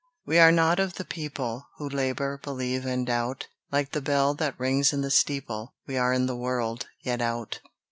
We are not of the people Who labour, believe, and doubt. Like the bell that rings in the steeple, We are in the world, yet out.